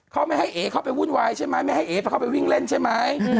เขาไม่ให้เอ๋เข้าไปวุ่นวายใช่ไหมไม่ให้เอ๋เข้าไปวิ่งเล่นใช่ไหม